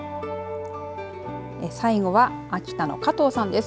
最後は、秋田の加藤さんです。